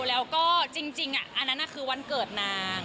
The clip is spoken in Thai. แล้วก็จริงอันนั้นคือวันเกิดนาง